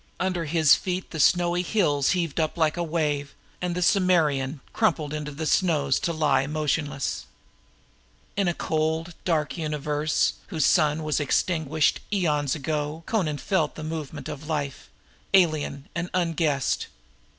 Under his feet the snowy hills heaved up like a wave, and the Akbitanan crumpled into the snows to lie motionless. In a cold dark universe, whose sun was extinguished eons ago, Amra felt the movement of life, alien and unguessed.